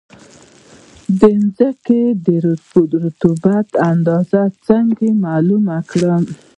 د ځمکې د رطوبت اندازه څنګه معلومه کړم؟